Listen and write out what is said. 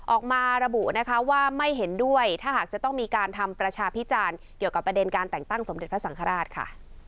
ออกมาระบุนะคะว่าไม่เห็นด้วยถ้าหากจะต้องมีการทำประชาพิจารณ์เกี่ยวกับประเด็นการแต่งตั้งสมเด็จพระสังฆราชค่ะ